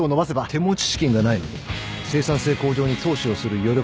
手持ち資金がないのに生産性向上に投資をする余力はない。